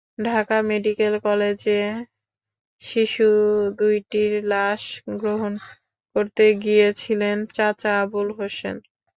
Dhaka medical কলেজে শিশু দুটির লাশ গ্রহণ করতে গিয়েছিলেন চাচা আবুল হোসেন।